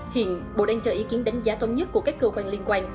hiện bộ đang cho ý kiến đánh giá thống nhất của các cơ quan liên quan